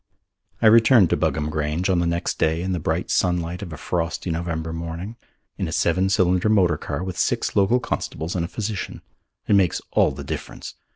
I returned to Buggam Grange on the next day in the bright sunlight of a frosty November morning, in a seven cylinder motor car with six local constables and a physician. It makes all the difference.